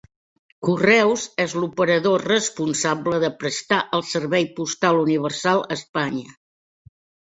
Correus és l'operador responsable de prestar el Servei Postal Universal a Espanya.